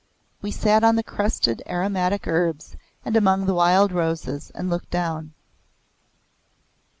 We sat on the crushed aromatic herbs and among the wild roses and looked down.